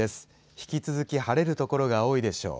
引き続き晴れる所が多いでしょう。